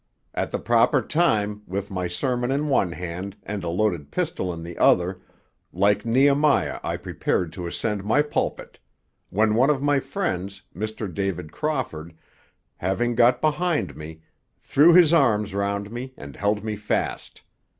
At the proper time, with my sermon in one hand and a loaded pistol in the other, like Nehemiah I prepared to ascend my pulpit, when one of my friends, Mr David Crauford, having got behind me, threw his arms round me and held me fast.